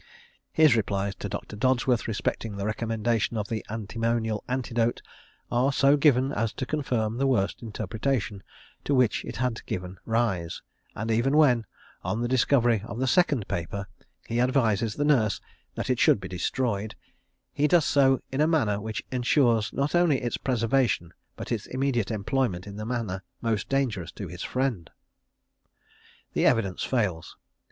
His replies to Dr. Dodsworth respecting the recommendation of the antimonial antidote are so given as to confirm the worst interpretation to which it had given rise, and even when, on the discovery of the second paper, he advises the nurse that it should be destroyed, he does so in a manner that ensures not only its preservation but its immediate employment in the manner most dangerous to his friend. The evidence fails.